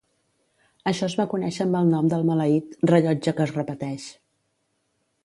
Això es va conèixer amb el nom del maleït "rellotge que es repeteix".